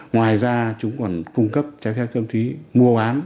ngoài ra chúng còn cung cấp trái phép ma túy mua bán